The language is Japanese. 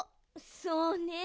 そうね。